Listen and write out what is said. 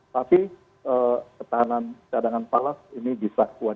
tapi ketahanan cadangan palas ini bisa kuat